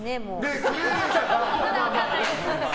まだ分かんないです。